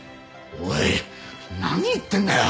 おい何言ってんだよ！